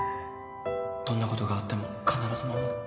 どんなことがあっても必ず守る